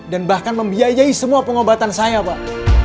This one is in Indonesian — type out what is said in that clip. dan bahkan membiayai semua pengobatan saya pak